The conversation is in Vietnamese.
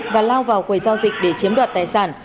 và lao vào quầy giao dịch để chiếm đoạt tài sản